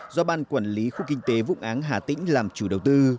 do ban quản lý khu kinh tế vũng áng hà tĩnh làm chủ đầu tư